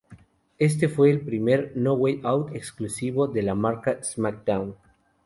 Este fue el primer No Way Out exclusivo de la marca Smackdown!.